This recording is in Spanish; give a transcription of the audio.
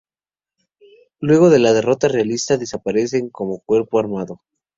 Luego de la derrota realista desaparecen como cuerpo armado.